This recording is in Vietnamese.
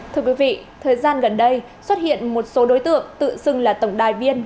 thưa quý vị thời gian gần đây xuất hiện một số đối tượng tự xưng là tổng đài viên